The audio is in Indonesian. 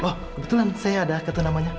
oh kebetulan saya ada kartu namanya